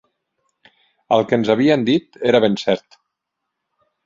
El que ens havien dit era ben cert.